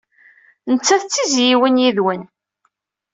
Nettat d tizzyiwin yid-wen.